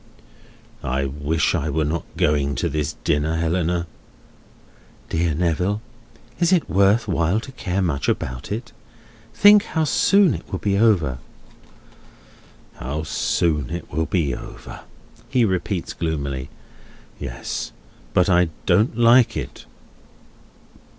"I wish I were not going to this dinner, Helena." "Dear Neville, is it worth while to care much about it? Think how soon it will be over." "How soon it will be over!" he repeats gloomily. "Yes. But I don't like it."